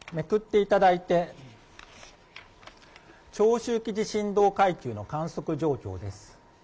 めくっていただいて、長周期地震動階級の観測状況です。